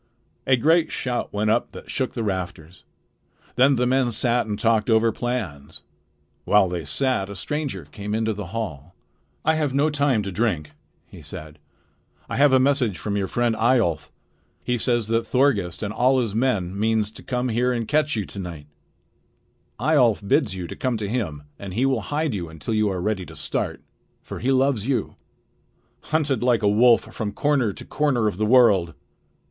A great shout went up that shook the rafters. Then the men sat and talked over plans. While they sat, a stranger came into the hall. "I have no time to drink," he said. "I have a message from your friend Eyjolf. He says that Thorgest with all his men means to come here and catch you to night. Eyjolf bids you come to him, and he will hide you until you are ready to start; for he loves you." "Hunted like a wolf from corner to corner of the world!"